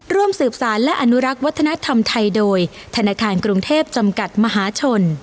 ร่วมสืบสารและอนุรักษ์วัฒนธรรมไทยโดยธนาคารกรุงเทพจำกัดมหาชน